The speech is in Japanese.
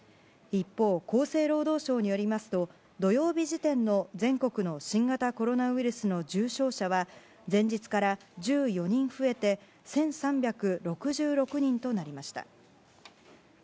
一方、厚生労働省によりますと土曜日時点の全国の新型コロナウイルスの重症者は前日から１４人増えて１３６６人となりました。